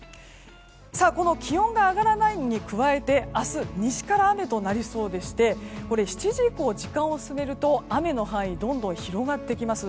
この気温が上がらないのに加えて明日、西から雨となりそうでして７時以降、時間を進めると雨の範囲がどんどん広がってきます。